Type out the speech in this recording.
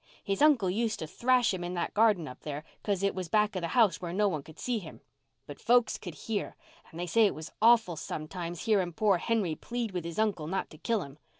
His uncle used to thrash him in that garden up there 'cause it was back of the house where no one could see him. But folks could hear, and they say it was awful sometimes hearing poor Henry plead with his uncle not to kill him.